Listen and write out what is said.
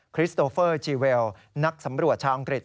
คริสโตเฟอร์จีเวลนักสำรวจชาวอังกฤษ